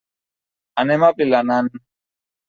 Anem a Vilanant.